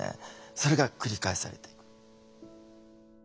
それが繰り返されていく。